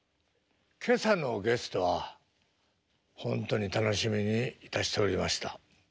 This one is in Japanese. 今朝のゲストは本当に楽しみにいたしておりました。